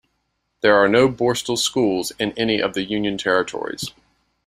There are no borstal schools in any of the union territories.